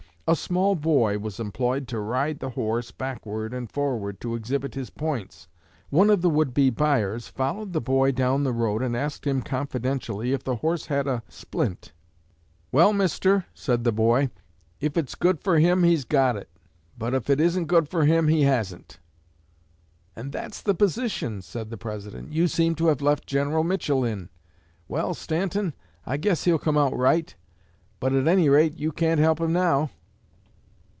A small boy was employed to ride the horse backward and forward to exhibit his points. One of the would be buyers followed the boy down the road and asked him confidentially if the horse had a splint. 'Well, mister,' said the boy, 'if it's good for him he's got it, but if it isn't good for him he hasn't.' 'And that's the position,' said the President, 'you seem to have left General Mitchell in. Well, Stanton, I guess he'll come out right; but at any rate you can't help him now.'